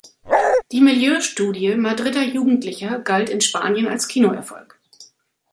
Die Milieustudie Madrider Jugendlicher galt in Spanien als Kinoerfolg.